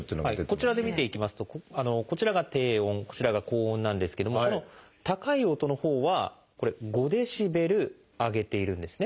こちらで見ていきますとこちらが低音こちらが高音なんですけどもこの高い音のほうはこれ５ｄＢ上げているんですね。